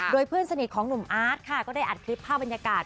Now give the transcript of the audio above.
โดยเพื่อนสนิทของหนุ่มอาร์ตค่ะก็ได้อัดคลิปภาพบรรยากาศ